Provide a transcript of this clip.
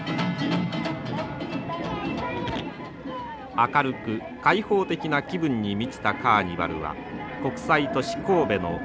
明るく開放的な気分に満ちたカーニバルは国際都市神戸の新しい祭りです。